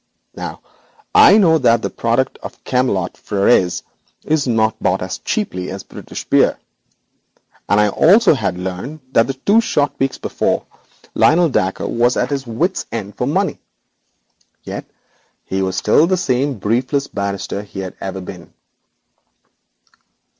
Now I knew that the product of Camelot Frères is not bought as cheaply as British beer, and I also had learned that two short weeks before Mr. Lionel Dacre was at his wits' end for money. Yet he was still the same briefless barrister he had ever been.